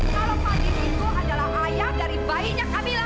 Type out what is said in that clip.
kalau fani itu adalah ayah dari bayinya kamila